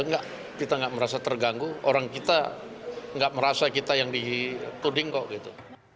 enggak kita gak merasa terganggu orang kita gak merasa kita yang dituding kok gitu